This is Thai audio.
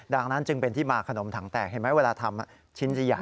ดังนั้นจึงเป็นที่มาขนมถังแตกเห็นไหมเวลาทำชิ้นจะใหญ่